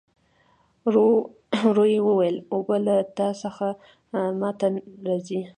وري وویل اوبه له تا څخه ما ته راځي.